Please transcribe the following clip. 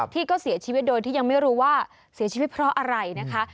ที่ก็เสียชีวิตโดยที่ยังไม่รู้ว่าเสียชีวิตเพราะอะไรนะคะ